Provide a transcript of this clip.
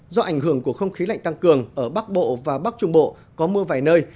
do ảnh hưởng của không khí lạnh tăng cường ở bắc bộ và bắc trung bộ có mưa vài nơi